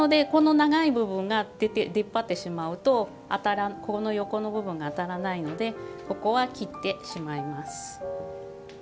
長い部分が出っ張ってしまうと横の部分が当たらないのでここは切ってしまいます。